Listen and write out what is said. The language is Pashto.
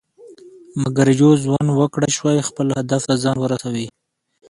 مګر یو ځوان وکړى شوى خپل هدف ته ځان ورسوي.